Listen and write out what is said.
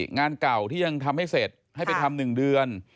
งานเก่าที่ยังทำให้เสร็จให้ไปทำ๑เดือน